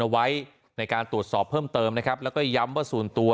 ไว้ในการตรวจสอบเพิ่มเติมนะครับแล้วก็ย้ำว่าส่วนตัว